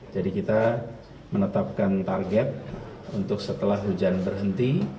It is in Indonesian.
jadi kita menetapkan target untuk setelah hujan berhenti